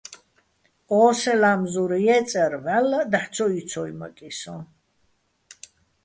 ო სეჼ ლამზურ ჲე́წარ ვჵალლაჸ დაჰ̦ ცო ჲიცოჲმაკი სოჼ.